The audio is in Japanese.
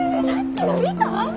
さっきの見た？